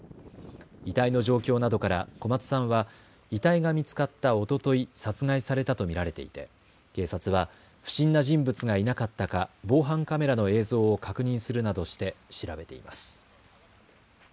遺体の状況などから小松さんは遺体が見つかったおととい殺害されたと見られていて警察は不審な人物がいなかったか防犯カメラの映像を確認するなどして調べています。